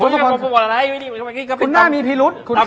คุณโปรโมนอะไรคุณน่ามีพิรุษ